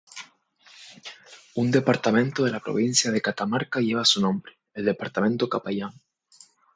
Un departamento de la provincia de Catamarca lleva su nombre, el departamento Capayán.